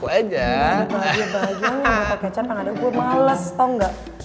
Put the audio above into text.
bahagia bahagia ngomong botol kecap yang ada gue males tau gak